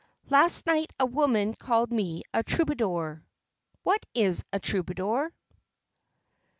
Last night a woman called me a troubadour. What is a troubadour?